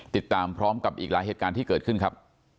ติดตามพร้อมกับอีกหลายเหตุการณ์ที่เกิดขึ้นครับ